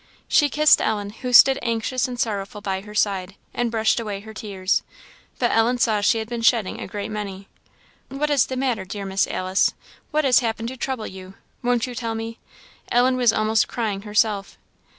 She kissed Ellen, who stood anxious and sorrowful by her side, and brushed away her tears. But Ellen saw she had been shedding a great many. "What is the matter, dear Miss Alice? what has happened to trouble you? won't you tell me?" Ellen was almost crying herself.